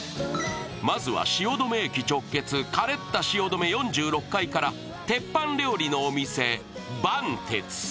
まずは汐留駅直結、カレッタ汐留４６階から鉄板料理のお店、萬鉄。